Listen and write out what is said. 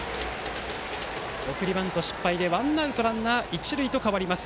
送りバント失敗でワンアウトランナー、一塁と変わります。